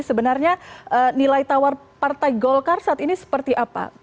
sebenarnya nilai tawar partai golkar saat ini seperti apa